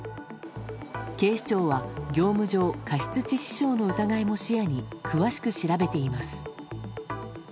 警視庁は業務上過失致死傷の疑いも視野に詳しく調べています。